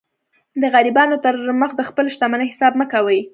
د غریبانو تر مخ د خپلي شتمنۍ حساب مه کوئ!